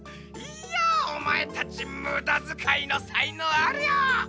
いやおまえたちむだづかいのさいのうあるよ！